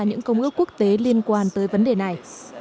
những công ước quốc tế liên quan tới vấn đề này